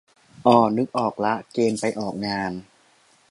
อ่อ นึกออกละ เกณฑ์ไปออกงาน